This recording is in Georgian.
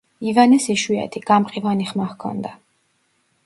ივანეს იშვიათი, „გამყივანი“ ხმა ჰქონდა.